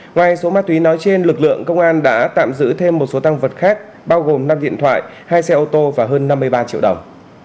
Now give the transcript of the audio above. ngoài số ma túy nói trên lực lượng công an đã tạm giữ thêm một số tăng vật khác bao gồm năm điện thoại hai xe ô tô và hơn năm mươi ba triệu đồng